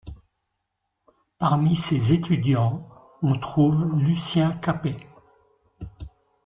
Parmi ses étudiants, on trouve Lucien Capet.